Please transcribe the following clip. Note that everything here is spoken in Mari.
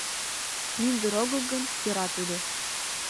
— Мӱндыр огыл гын, йӧра тудо.